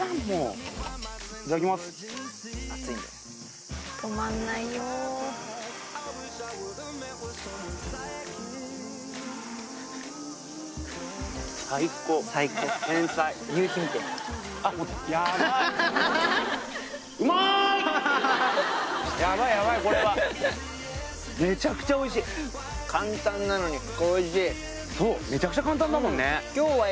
そうめちゃくちゃ簡単だもんね。